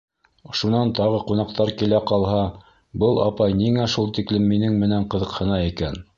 Шунан тағы ҡунаҡтар килә ҡалһа... был апай ниңә шул тиклем минең менән ҡыҙыҡһына икән?